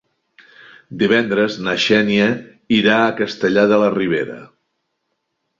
Divendres na Xènia irà a Castellar de la Ribera.